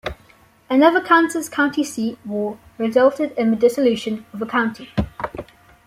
Another Kansas county seat war resulted in the dissolution of a county.